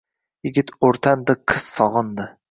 Yigit o`rtandi, qiz sog`indi